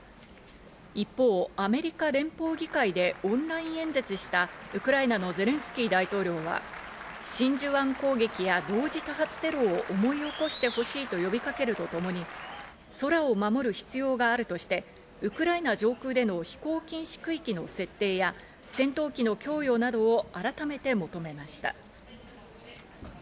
一方、アメリカ連邦議会でオンライン演説したウクライナのゼレンスキー大統領は真珠湾攻撃や同時多発テロを思い起こしてほしいと呼びかけるとともに、空を守る必要があるとして、ウクライナ上空での飛行禁止区域の設定や戦闘機の供与などを改めて求めました。